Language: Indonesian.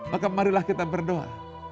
maka marilah kita berdoa